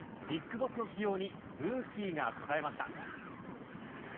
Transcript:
ビッグボスの起用にルーキーが応えました。